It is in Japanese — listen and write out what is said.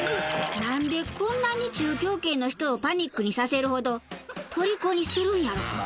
なんでこんなに中京圏の人をパニックにさせるほど虜にするんやろか？